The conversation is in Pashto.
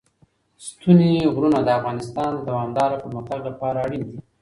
ستوني غرونه د افغانستان د دوامداره پرمختګ لپاره اړین دي.